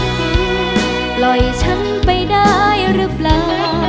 ปล่อยฉันไปได้หรือเปล่า